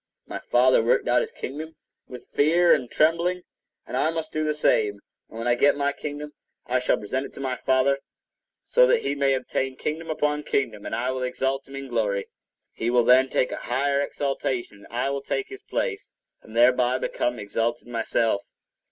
My Father worked out his kingdom with fear and trembling, and I must do the same; and when I get my kingdom, I shall present it to my Father, so that he may obtain kingdom upon kingdom, and it will exalt him in glory. He will then take a higher exaltation, and I will take his place, and thereby become exalted myself.